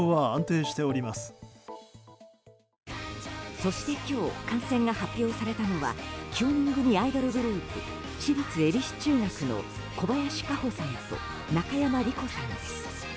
そして今日感染が発表されたのは９人組アイドルグループ私立恵比寿中学の小林歌穂さんと中山莉子さんです。